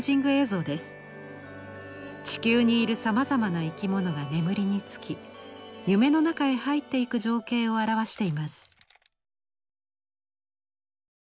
地球にいるさまざまな生き物が眠りにつき夢の中へ入っていく情景を表しています。